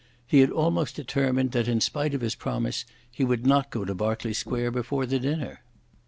He had almost determined that, in spite of his promise, he would not go to Berkeley Square before the dinner.